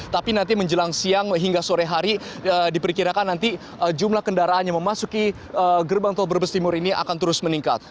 tapi nanti menjelang siang hingga sore hari diperkirakan nanti jumlah kendaraan yang memasuki gerbang tol brebes timur ini akan terus meningkat